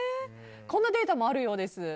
こんなデータもあるようです。